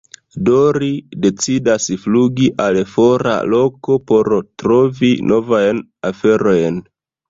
Do ri decidas flugi al fora loko por trovi novajn aferojn.